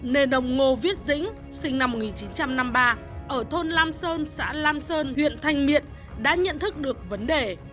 nên ông ngô viết dĩnh sinh năm một nghìn chín trăm năm mươi ba ở thôn lam sơn xã lam sơn huyện thanh miện đã nhận thức được vấn đề